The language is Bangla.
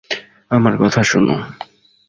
আমার কথা শোন!